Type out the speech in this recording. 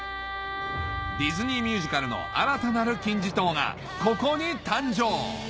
ディズニーミュージカルの新たなる金字塔がここに誕生！